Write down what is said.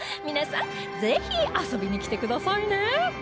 ぜひ遊びに来てくださいね